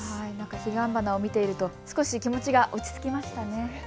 ヒガンバナを見ていると少し気持ちが落ち着きましたね。